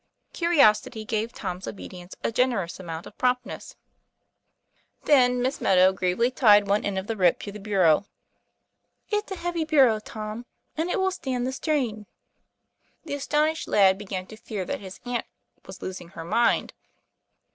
Curiosity gave Tom's obedience a generous amount of promptness. TOM PLAYFAIR. 177 Then Miss Meadow gravely tied one end of the rope to the bureau. " It's a heavy bureau, Tom; and it will stand the strain." The astonished lad began to fear that his aunt was losing her mind.